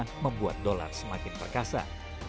yang membuat dolar semakin perkasa